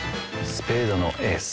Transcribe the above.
スペードのエース。